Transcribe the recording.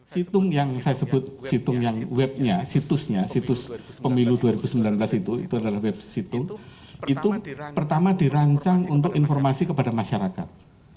situng yang saya sebut situs pemilu dua ribu sembilan belas itu adalah web situng itu pertama dirancang untuk informasi kepada masyarakat